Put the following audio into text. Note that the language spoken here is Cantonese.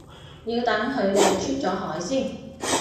要等佢哋出咗海先